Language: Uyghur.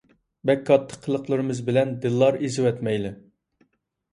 بەك كاتتا قىلقىلىمىز بىلەن دىللار ئىزىۋەتمەيلى ،